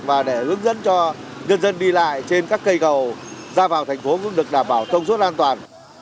và để hướng dẫn cho nhân dân đi lại trên các cây cầu ra vào thành phố cũng được đảm bảo thông suốt an toàn